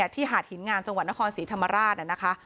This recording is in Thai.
ที่หาดหินงานจังหวัดนครสีธรรมราช